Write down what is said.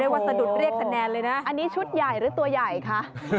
ว่าสะดุดเรียกคะแนนเลยนะอันนี้ชุดใหญ่หรือตัวใหญ่คะ